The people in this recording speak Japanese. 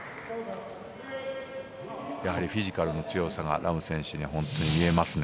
やはりフィジカルの強さがラム選手には見えますね。